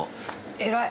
偉い。